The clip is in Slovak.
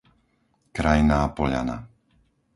Krajná Poľana